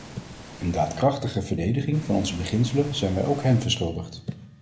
Een daadkrachtige verdediging van onze beginselen zijn wij ook hen verschuldigd.